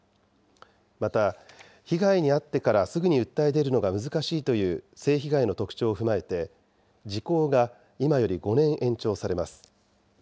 また、被害に遭ってからすぐに訴え出るのが難しいという性被害の特徴を踏まえて、時効が今より５年延長されます。